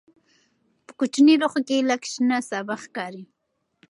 په کوچني لوښي کې لږ شنه سابه ښکاري.